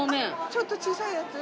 ちょっと小さいやつ？